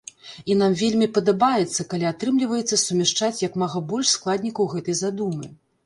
І нам вельмі падабаецца, калі атрымліваецца сумяшчаць як мага больш складнікаў гэтай задумы.